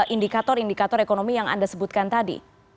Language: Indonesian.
indikator indikator ekonomi yang anda sebutkan tadi